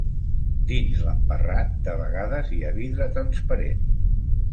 Dins l'emparrat de vegades hi ha vidre transparent.